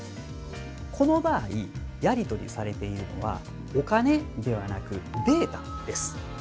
この場合やり取りされているのはお金ではなくデータです。